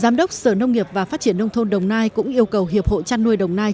giám đốc sở nông nghiệp và phát triển nông thôn đồng nai cũng yêu cầu hiệp hội trăn nuôi đồng nai